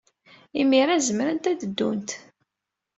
Imir-a, zemrent ad ddunt.